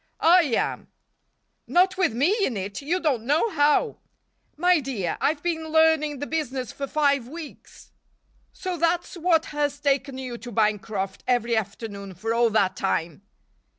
"I am." "Not with me in it. You don't know how." "My dear, I've been learning the business for five weeks." "So that's what has taken you to Bancroft every afternoon for all that time?"